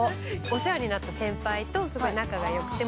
お世話になった先輩とすごい仲が良くて。